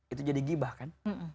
itu jadi gibah kan